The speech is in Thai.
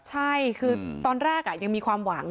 ใช่คือตอนแรกยังมีความหวัง